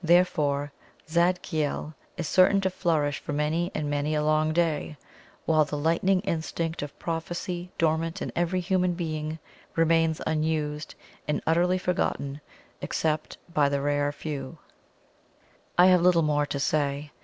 Therefore "Zadkiel" is certain to flourish for many and many a long day, while the lightning instinct of prophecy dormant in every human being remains unused and utterly forgotten except by the rare few. I have little more to say.